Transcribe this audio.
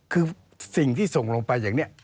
คือสิ่งที่ส่งลงไปแบบนี้